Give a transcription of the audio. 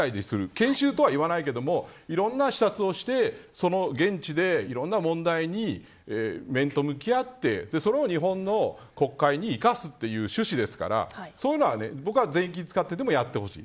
研修とは言わないけれどもいろんな視察をしてその現地で、いろんな問題に面と向き合ってそれを日本の国会に生かすという趣旨ですからそういうのは僕は税金を使ってでもやってほしい。